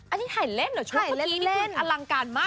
อันนี้ถ่ายเล่นเหรอช่วงเมื่อกี้นี่คืออลังการมาก